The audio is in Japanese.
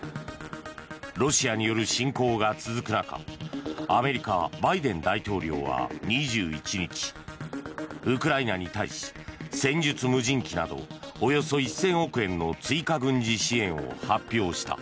ロシアによる侵攻が続く中アメリカ、バイデン大統領は２１日ウクライナに対し戦術無人機などおよそ１０００億円の追加軍事支援を発表した。